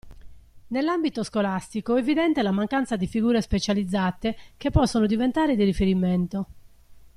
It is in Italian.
Nell'ambito scolastico è evidente la mancanza di figure specializzate che possano diventare di riferimento.